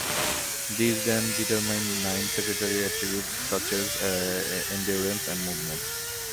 These then determine nine secondary attributes such as Endurance and Movement.